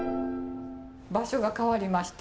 場所が変わりまして。